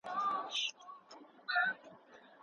ایا شاګردانو نوې سرچینې پیدا کړې دي؟